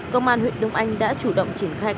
công an huyện đông anh đã chủ động triển khai các vụ án